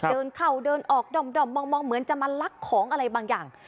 เดินเข้าเดินออกด่อมมองเหมือนจะมาลักของอะไรบางอย่าง